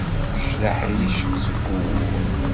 Kečč d aḥric seg wugur.